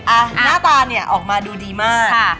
อ่ะหน้าตาเนี่ยออกมาดูดีมากค่ะ